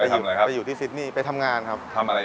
อยู่ไหนครับไปอยู่ที่ซิดนี่ไปทำงานครับทำอะไร